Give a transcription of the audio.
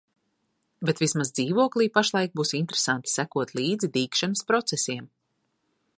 Bet vismaz dzīvoklī pašlaik būs interesanti sekot līdzi dīgšanas procesiem.